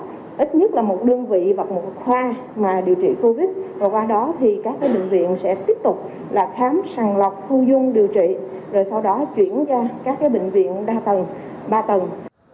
trong đó các bệnh viện sẽ tiếp tục khám sàng lọc thu dung điều trị rồi sau đó chuyển ra các bệnh viện ba tầng